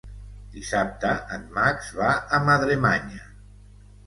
Dissabte en Max va a Madremanya.